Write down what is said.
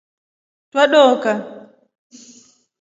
Tua doka.